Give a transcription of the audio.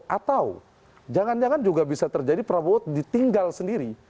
atau jangan jangan juga bisa terjadi prabowo ditinggal sendiri